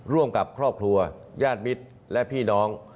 ร่วมกับครอบครัวญาติมิตรและพี่น้อง